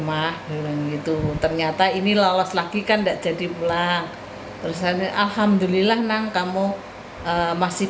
mah gitu ternyata ini lolos lagi kan enggak jadi pulang terusan alhamdulillah nang kamu masih